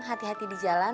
hati hati di jalan